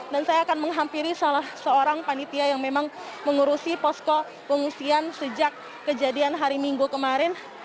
saya akan menghampiri salah seorang panitia yang memang mengurusi posko pengungsian sejak kejadian hari minggu kemarin